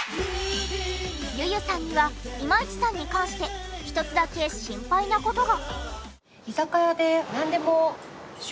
ｙｕ−ｙｕさんには今市さんに関して１つだけ心配な事が。